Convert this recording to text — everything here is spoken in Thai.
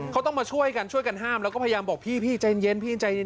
เขาต้องมาช่วยกันช่วยกันห้ามแล้วก็พยายามบอกพี่ใจเย็น